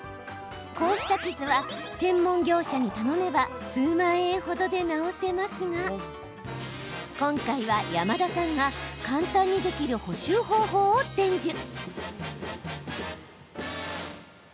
こうした傷は専門業者に頼めば数万円ほどで直せますが今回は、山田さんが簡単にできる補修方法を伝授。